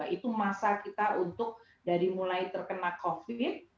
itu masa kita untuk dari mulai terkena covid